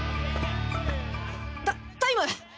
タタイム！